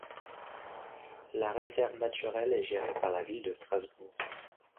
La réserve naturelle est gérée par la ville de Strasbourg.